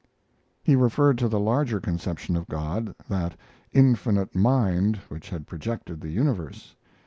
He referred to the larger conception of God, that Infinite Mind which had projected the universe.